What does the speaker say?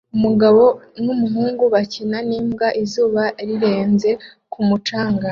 Umugabo n'umuhungu bakina n'imbwa izuba rirenze ku mucanga